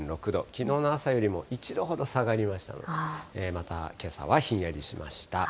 きのうの朝よりも１度ほど下がりましたので、またけさはひんやりしました。